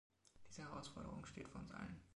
Diese Herausforderung steht vor uns allen.